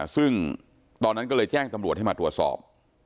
ซึ่งตอนนั้นก็เลยแจ้งตำรวจให้มาตรวจสอบ